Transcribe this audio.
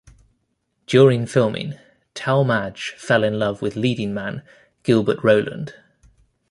During filming, Talmadge fell in love with leading man Gilbert Roland.